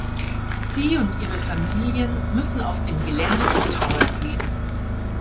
Sie und ihre Familien müssen auf dem Gelände des Towers leben.